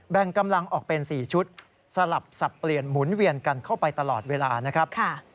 กำลังออกเป็น๔ชุดสลับสับเปลี่ยนหมุนเวียนกันเข้าไปตลอดเวลานะครับ